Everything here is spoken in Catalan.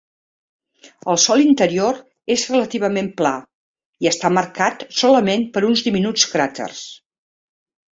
El sòl interior és relativament pla, i està marcat solament per uns diminuts cràters.